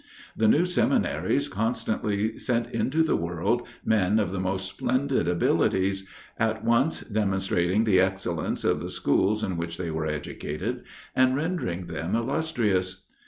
The new seminaries constantly sent into the world men of the most splendid abilities, at once demonstrating the excellence of the schools in which they were educated, and rendering them illustrious.